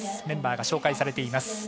メンバーが紹介されています。